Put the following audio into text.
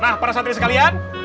nah para santri sekalian